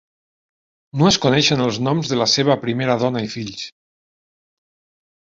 No es coneixen els noms de la seva primera dona i fills.